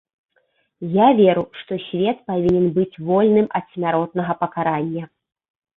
Я веру, што свет павінен быць вольным ад смяротнага пакарання.